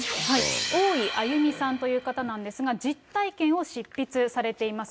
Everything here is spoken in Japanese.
大井あゆみさんという方なんですが、実体験を執筆されています。